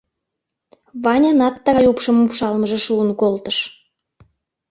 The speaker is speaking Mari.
Ванянат тыгай упшым упшалмыже шуын колтыш.